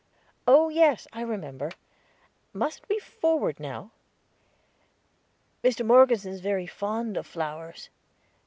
"Oh yes, I remember; mustn't we forward now?" "Mr. Morgeson's very fond of flowers."